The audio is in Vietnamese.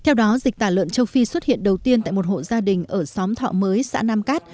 theo đó dịch tả lợn châu phi xuất hiện đầu tiên tại một hộ gia đình ở xóm thọ mới xã nam cát